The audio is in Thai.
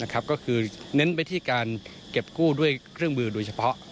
ก็คือเน้นไปที่การเก็บกู้ด้วยเครื่องมือโดยเฉพาะ